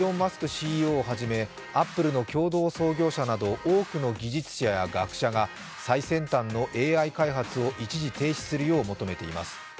ＣＥＯをはじめアップルの共同創業者など多くの技術者や学者が最先端のＡＩ開発を一時停止するよう求めています。